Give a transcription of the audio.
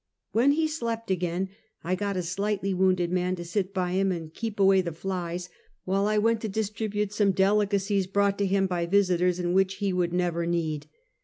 When he slept again, I got a slightly wounded man to sit by him and keep away the flies, while I went to distribute some delicacies brought to him by visitors, and which he would never need.